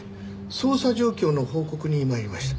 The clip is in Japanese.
捜査状況の報告に参りました。